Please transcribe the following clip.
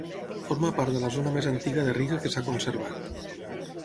Forma part de la zona més antiga de Riga que s'ha conservat.